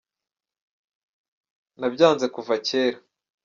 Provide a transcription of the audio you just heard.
nabyanze kuva kera.